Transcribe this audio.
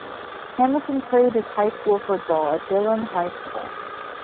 Hamilton played his high school football at Dillon High School.